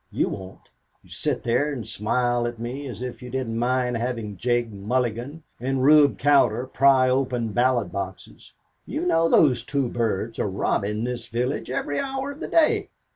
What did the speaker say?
You won't. You sit there and smile at me, as if you didn't mind having Jake Mulligan and Reub Cowder pry open ballot boxes. You know those two birds are robbing this village every hour of the day.